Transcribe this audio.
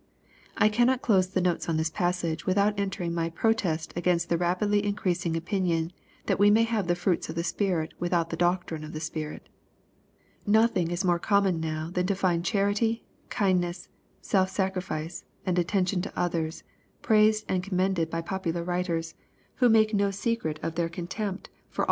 T cannot close the notes on this passage, without entering my protest against the rapidly increasing opinion, that we may have the fruits of the Spirit without the doctrine of tlie Spirit No* thing is more common now than to find charity, kindnesa, self sacrifice, and attention to others, praised and commend ed by poT)ular writers, who make no secret of their contempt for LUKE, CHAP. VI.